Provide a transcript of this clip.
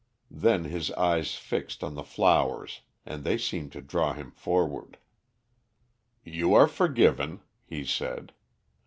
Then his eyes fixed on the flowers and they seemed to draw him forward. "You are forgiven," he said.